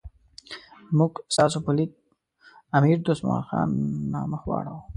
موږ ستاسو په لیک امیر دوست محمد خان نه مخ واړاو.